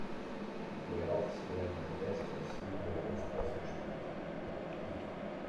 Die Playoffs werden im Best-of-Three-Modus ausgespielt.